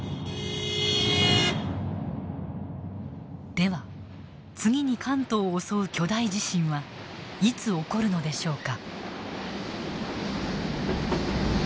では次に関東を襲う巨大地震はいつ起こるのでしょうか。